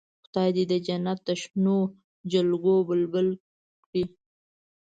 خدای دې د جنت د شنو جلګو بلبل کړي.